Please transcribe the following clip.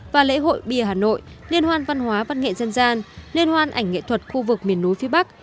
và lễ hội bia hà nội liên hoan văn hóa văn nghệ dân gian liên hoan ảnh nghệ thuật khu vực miền núi phía bắc